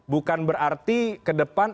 bukan berarti ke depan